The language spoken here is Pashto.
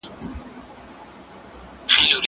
زه ميوې خوړلي دي!؟